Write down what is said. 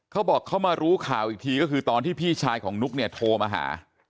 เขาบอกเขามารู้ข่าวอีกทีก็คือตอนที่พี่ชายของนุ๊กเนี่ยโทรมาหา